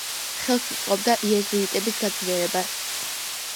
ხელს უწყობდა იეზუიტების გაძლიერებას.